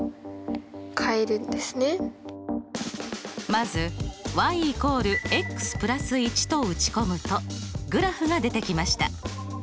まず＝＋１と打ち込むとグラフが出てきました。